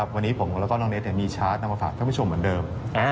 วันนี้ผมแล้วก็น้องเนสมีชาร์จนำมาฝากท่านผู้ชมเหมือนเดิม